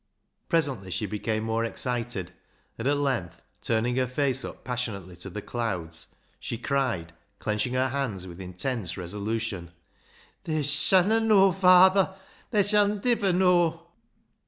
Presently she became more excited, and at length, turning her face up passionately to the clouds, she cried, clenching her hands with intense resolution — "They shanna know, fayther; they shall niver know."